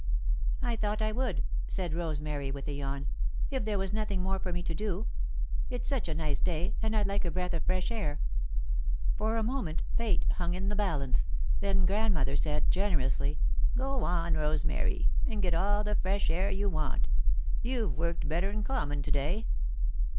"I thought I would," said Rosemary, with a yawn, "if there was nothing more for me to do. It's such a nice day, and I'd like a breath of fresh air." For a moment, Fate hung in the balance, then Grandmother said, generously: "Go on, Rosemary, and get all the fresh air you want. You've worked better'n common to day."